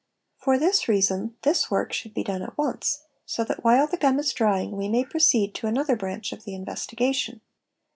For this reason this work should be done at once, so that while the gum is drying we may proceed to another branch of the investigation.